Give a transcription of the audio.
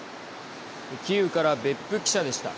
キーウから別府記者でした。